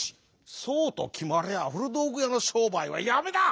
そうときまりゃあふるどうぐやのしょうばいはやめだ！」。